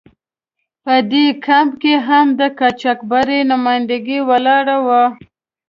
په دې کمپ کې هم د قاچاقبر نماینده ولاړ و.